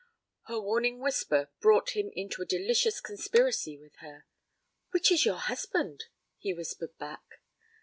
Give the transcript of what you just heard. Her warning whisper brought him into a delicious conspiracy with her. 'Which is your husband?' he whispered back.